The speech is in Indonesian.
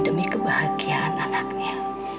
demi kebahagiaan anaknya